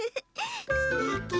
すてき！